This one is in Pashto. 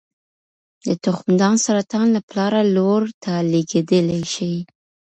د تخمدان سرطان له پلاره لور ته لېږدېدلی شي.